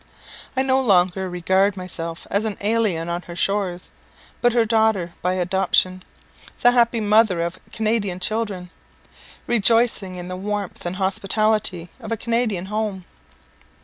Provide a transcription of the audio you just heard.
I no longer regard myself as an alien on her shores, but her daughter by adoption, the happy mother of Canadian children, rejoicing in the warmth and hospitality of a Canadian Home!